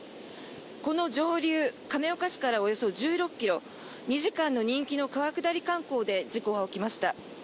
この上流亀岡市から、およそ１６ｋｍ２時間の人気の川下り観光で事故は起きました。